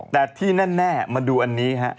แต่ที่แน่มาดูอันนี้ฮะ